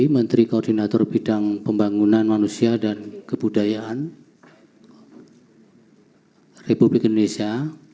menteri koordinator bidang pembangunan manusia dan kebudayaan republik indonesia